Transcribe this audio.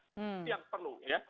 itu yang perlu ya